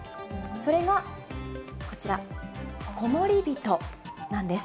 それがこちら、こもりびとなんです。